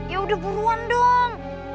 yaudah buruan dong